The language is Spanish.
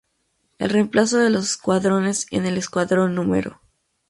El reemplazo de los escuadrones en el Escuadrón Núm.